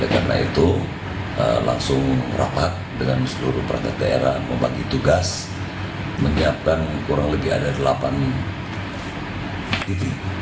karena itu langsung rapat dengan seluruh partai daerah membagi tugas menyiapkan kurang lebih ada delapan titik